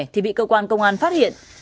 thì bị cơ quan công an phát hiện